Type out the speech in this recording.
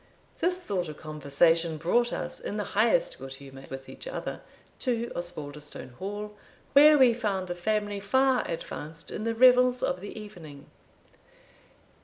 This sort of conversation brought us, in the highest good humour with each other, to Osbaldistone Hall, where we found the family far advanced in the revels of the evening.